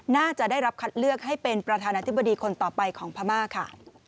น่าจะได้รับคัดเลือกให้เป็นประธานาธิบดีคนต่อไปของพม่าค่ะ